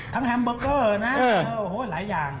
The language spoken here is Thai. ทำแฮมบอร์เกอร์นะหลายอย่าง